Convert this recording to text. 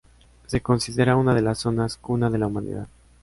Se considera una de las zonas cuna de la humanidad.